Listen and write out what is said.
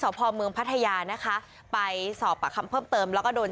แต่เรื่องแบบนี้